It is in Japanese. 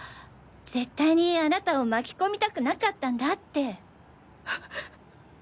絶対にあなたを巻き込みたくなかったんだって。